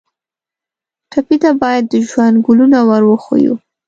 ټپي ته باید د ژوند ګلونه ور وښیو.